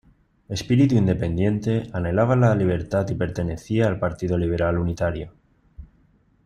Espíritu independiente, anhelaba la libertad y pertenecía al partido liberal unitario.